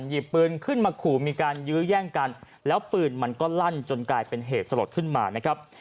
หยิบปืนขึ้นมาขู่มีการยื้อแย่งกันแล้วปืนมันก็ลั่นจนกลายเป็นเหตุสลดขึ้นมานะครับ